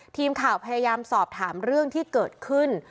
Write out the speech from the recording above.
ทีมข่าวพยายามสอบถามเรื่องที่เกิดขึ้น